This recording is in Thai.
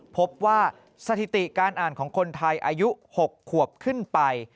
พบว่าสถิติการอ่านของคนไทยอายุ๖ขวบขึ้นไป